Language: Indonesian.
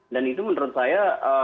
dan itu menurut saya